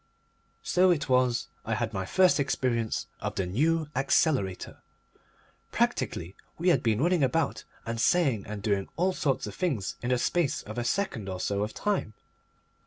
So it was I had my first experience of the New Accelerator. Practically we had been running about and saying and doing all sorts of things in the space of a second or so of time.